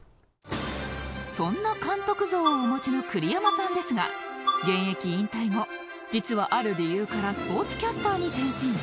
そんな監督像をお持ちの栗山さんですが現役引退後実はある理由からスポーツキャスターに転身